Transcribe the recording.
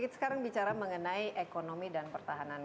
oke sekarang kita bicara mengenai ekonomi dan pertahanan